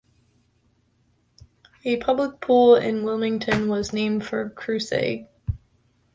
A public pool in Wilmington was named for Kruse.